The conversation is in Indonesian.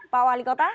pak wali kota